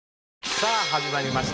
さあ始まりました